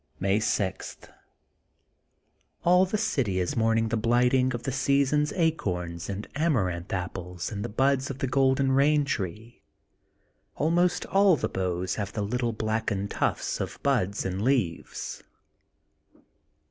May 6: — ^AU the city is mourning the blighting of the season's acorns and Ama ranth Apples and the buds of the Golden Bain Tree. Almost all the boughs have the little blackened tufts of buds and leaves.